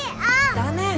ダメ！